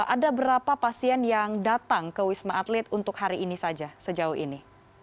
ada berapa pasien yang datang ke wisma atlet untuk hari ini saja sejauh ini